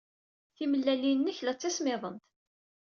Timellalin-nnek la ttismiḍent.